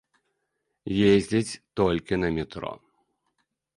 Ездзіць толькі на метро.